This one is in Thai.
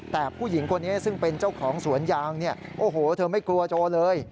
แต่ผู้หญิงคนนี้ซึ่งเป็นเจ้าของสวนยางเนี่ยโอ้โหเธอไม่กลัวโจเลย